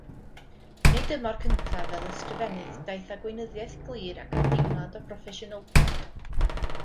Yn ei dymor cyntaf fel ysgrifennydd daeth â gweinyddiaeth glir ac ymdeimlad o broffesiynoldeb.